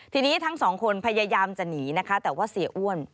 ทีนี้ทั้งสองคนพยายามจะหนีนะคะแต่ว่าเสียอ้วน